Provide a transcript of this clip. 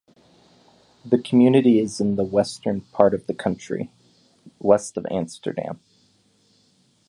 The community is in the western part of the county, west of Amsterdam.